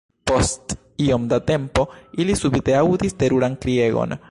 Post iom da tempo ili subite aŭdis teruran kriegon.